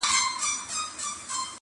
ذره غوندي وجود یې د اټوم زور شرمولی-